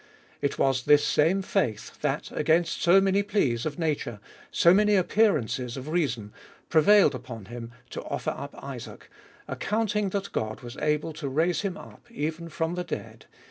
It was this same faith, that against so many pleas of nature, so many appearances of reason, prevailed npon him to offer up Isaac — ac counting that God loas able to raise him up from the dead.